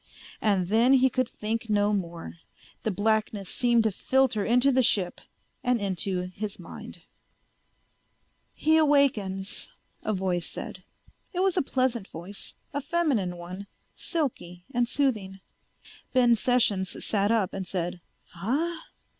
And then he could think no more; the blackness seemed to filter into the ship and into his mind. "He awakens," a voice said. It was a pleasant voice, a feminine one, silky and soothing. Ben Sessions sat up and said, "Huh?"